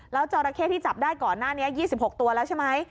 แล้วจราเข้ที่จับได้ก่อนหน้านี้๒๖ตัวแล้วใช่ไหม